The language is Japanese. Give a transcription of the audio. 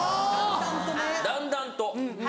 だんだんとね。